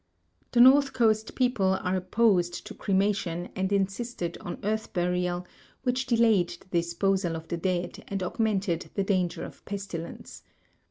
The north coast peojde are o))posed to cremation and insisted on earth burial, which dela}'ed the disposal of the dead and aug mented the danger of pestilence.